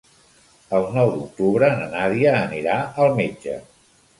El nou d'octubre na Nàdia anirà al metge.